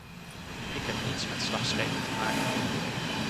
Ik heb niets met slagschepen te maken.